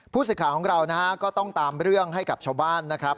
ผู้สื่อข่าวของเรานะฮะก็ต้องตามเรื่องให้กับชาวบ้านนะครับ